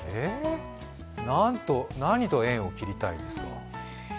何と縁を切りたいですか？